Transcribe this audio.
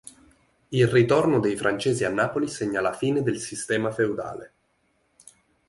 Il ritorno dei Francesi a Napoli segna la fine del sistema feudale.